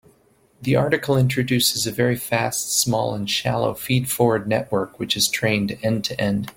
The article introduces a very fast, small, and shallow feed-forward network which is trained end-to-end.